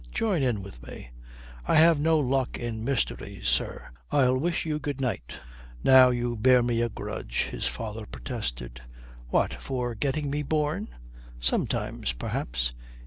Join in with me." "I have no luck in mysteries, sir. I'll wish you goodnight." "Now you bear me a grudge," his father protested. "What, for getting me born? Sometimes, perhaps."